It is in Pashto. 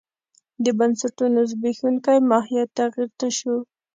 د بنسټونو زبېښونکی ماهیت تغیر نه شو.